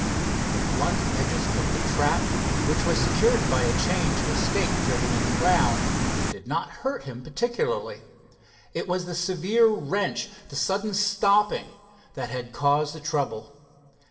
The blunt edges of the trap, which was secured by a chain to a stake driven into the ground, did not hurt him particularly. It was the severe wrench, the sudden stopping, that had caused the trouble.